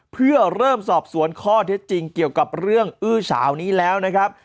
เพื่อเริ่มสอบสวนข้อเท็จจริงเกี่ยวกับเรื่องอื้อเฉานี้แล้วนะครับ